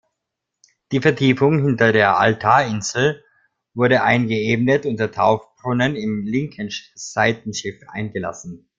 Die Vertiefung hinter der Altarinsel wurde eingeebnet und der Taufbrunnen im linken Seitenschiff eingelassen.